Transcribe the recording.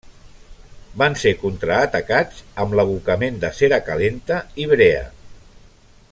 Van ser contraatacats amb l'abocament de cera calenta i brea.